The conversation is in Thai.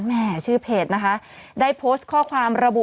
แม่ชื่อเพจนะคะได้โพสต์ข้อความระบุ